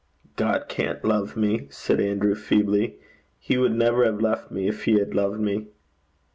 'God can't love me,' said Andrews, feebly. 'He would never have left me if he had loved me.'